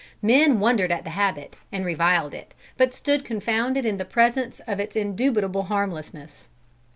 Men wondered at the habit and reviled it, but stood confounded in the presence of its indubitable harmlessness.